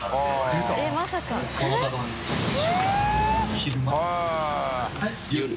昼間？